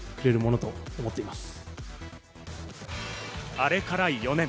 あれから４年。